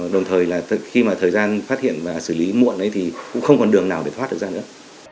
đồng thời là khi mà thời gian phát hiện và xử lý muộn ấy thì cũng không còn đường nào để thoát được ra nữa